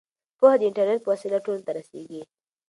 پوهه د انټرنیټ په وسیله ټولو ته رسیږي.